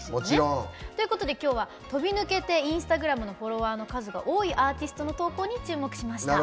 もちろん。ということで飛び抜けてインスタグラムのフォロワーの数が多いアーティストの投稿に注目しました。